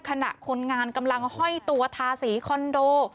ขณะคนงานกำลังห้อยตัวทาสีคอนโด